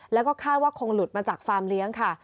แล้วก็คาดว่าคงหลุดมาจากฟาร์มเลี้ยงค่ะ